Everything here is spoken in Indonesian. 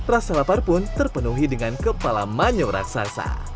rasa lapar pun terpenuhi dengan kepala manyuraksasa